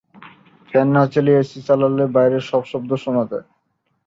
Fan না চালিয়ে AC চালালে বাইরের সব শব্দ শোনা যায়।